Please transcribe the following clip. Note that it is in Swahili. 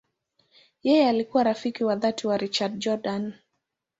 Yeye alikuwa rafiki wa dhati wa Richard Jordan.